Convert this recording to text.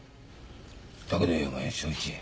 だけどよお前正一。